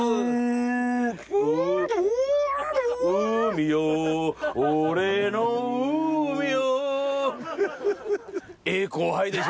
「海よ俺の海よ」